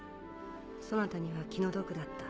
そなたには気の毒だった。